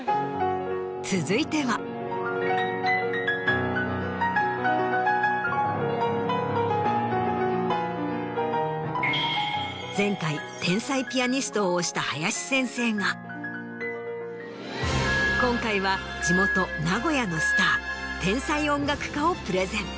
続いては。前回天才ピアニストを推した林先生が今回は地元名古屋のスター天才音楽家をプレゼン。